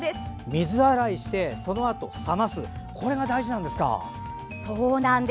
水洗いしてそのあと冷ますこれが大事なんですか。